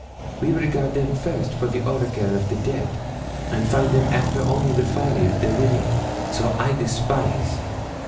We regard them first for the oracle of the dead, and find them after only the folly of the living. So I despise.